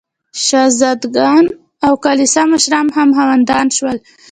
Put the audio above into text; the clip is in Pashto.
شهزاده ګان او کلیسا مشران هم خاوندان شول.